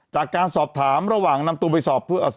จากการสอบถามระหว่างนำตัวไปสอบ